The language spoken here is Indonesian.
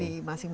di tempat lain